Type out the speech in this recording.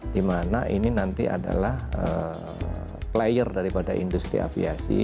dimana ini nanti adalah player daripada industri aviasi